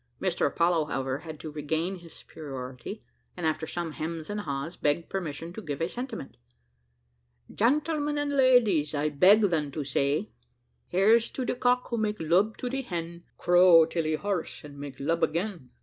Mr Apollo, however, had to regain his superiority, and after some hems and hahs, begged permission to give a sentiment. "Gentlemen and ladies, I beg then to say "Here's to de cock who make lub to de hen, Crow till he hoarse, and make lub again."